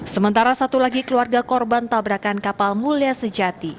sementara satu lagi keluarga korban tabrakan kapal mulia sejati